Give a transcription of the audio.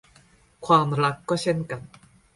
ความรักก็เช่นกัน